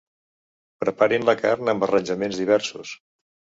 Preparin la carn amb arranjaments diversos.